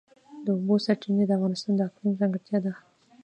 د اوبو سرچینې د افغانستان د اقلیم ځانګړتیا ده.